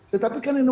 tetapi kan ini